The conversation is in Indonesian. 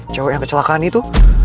cewek yang kecelakaan itu